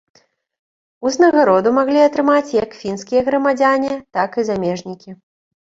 Узнагароду маглі атрымаць як фінскія грамадзяне, так і замежнікі.